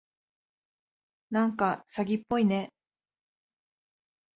なんか詐欺っぽいね。